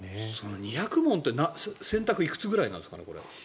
２００問って選択いくつぐらいなんですかね？